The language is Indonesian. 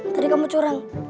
tadi kamu curang